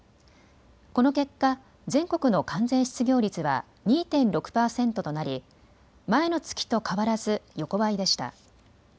この結果、全国の完全失業率は２．６％となり前の月と変わらず横ばいでした。